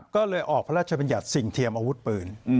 ก็เลยออกพระราชบัญญัติสิ่งเทียมอาวุธปืน